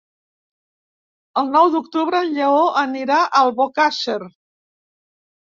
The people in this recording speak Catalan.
El nou d'octubre en Lleó anirà a Albocàsser.